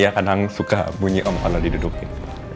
ya kadang suka bunyi om kalau didudukin